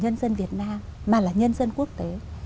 nhân dân việt nam mà là nhân dân quốc tế